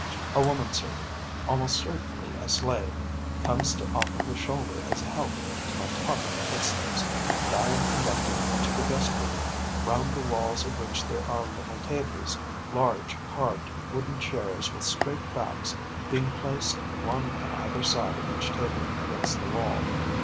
A woman servant, almost certainly a slave, comes to offer her shoulder as a help to my tottering footsteps, and I am conducted into the guest room, round the walls of which there are little tables, large carved wooden chairs with straight backs being placed one on either side of each table against the wall.